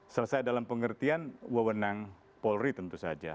selesai dalam pengertian wewenang polri tentu saja